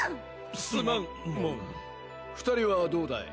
すまんもん二人はどうだい？